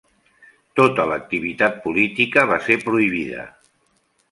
Tota l'activitat política va ser prohibida.